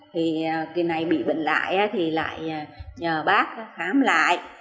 thì kỳ này bị bệnh lại thì lại nhờ bác khám lại